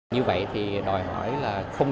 như vậy thì đòi hỏi là không